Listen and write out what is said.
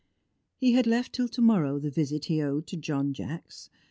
He had left till to morrow the visit he owed to John Jacks.